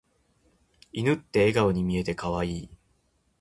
犬って笑顔に見えて可愛い。